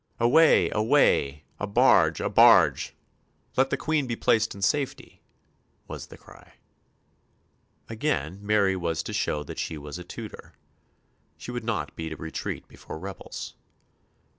"Away, away! a barge, a barge! let the Queen be placed in safety!" was the cry. Again Mary was to show that she was a Tudor. She would not beat a retreat before rebels.